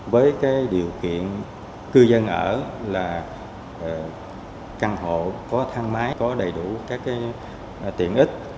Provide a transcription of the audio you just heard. với điều kiện cư dân ở là căn hộ có thang máy có đầy đủ các tiện ích